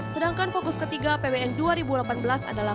sedangkan fokus ketiga apbn dua ribu delapan belas adalah